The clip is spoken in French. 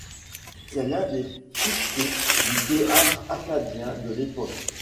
C'est l'un des succès du théâtre acadien de l'époque.